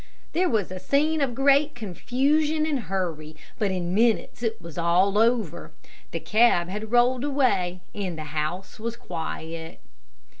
There was a scene of great confusion and hurry, but in a few minutes it was all over. The cab had rolled away, and the house was quiet.